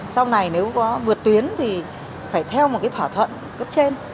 sau này nếu có vượt tuyến thì phải theo một cái thỏa thuận cấp trên